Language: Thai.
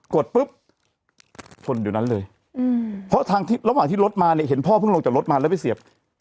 ดปุ๊บคนเดี๋ยวนั้นเลยเพราะทางระหว่างที่รถมาเนี่ยเห็นพ่อเพิ่งลงจากรถมาแล้วไปเสียบ